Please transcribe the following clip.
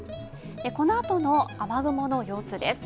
このあとの雨雲の様子です。